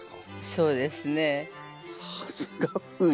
そうですね。